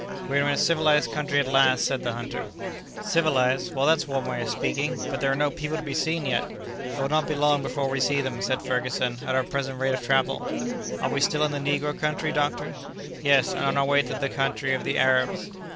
"We are in a civilized country at last!" said the hunter. "Civilized? Well, that's one way of speaking; but there are no people to be seen yet." "It will not be long before we see them," said Ferguson, "at our present rate of travel." "Are we still in the negro country, doctor?" "Yes, and on our way to the country of the Arabs."